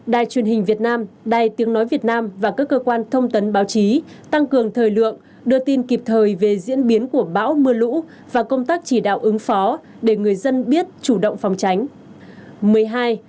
một mươi một đài truyền hình việt nam đài tiếng nói việt nam và các cơ quan thông tấn báo chí tăng cường thời lượng đưa tin kịp thời về diễn biến của bão mưa lũ và công ty